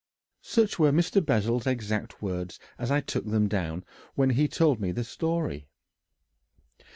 Such were Mr. Bessel's exact words as I took them down when he told me the story.